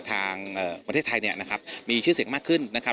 ทางประเทศไทยเนี่ยนะครับมีชื่อเสียงมากขึ้นนะครับ